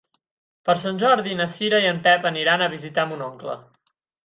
Per Sant Jordi na Cira i en Pep aniran a visitar mon oncle.